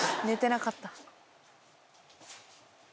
寝てなかった。